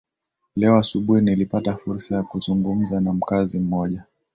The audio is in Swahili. leo asubuhi nilipata fursa ya kuzungumza na mkazi mmoja